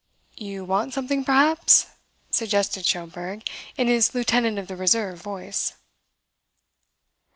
"You want something, perhaps?" suggested Schomberg in his lieutenant of the Reserve voice.